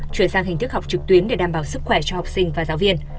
chuyển sang hình thức học trực tuyến để đảm bảo sức khỏe cho học sinh và giáo viên